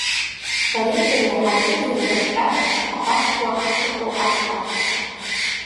Бареи сареи ҳаицәыӡра зыхҟьаз, аԥашәқәа ахьыҟоу аԥшаара…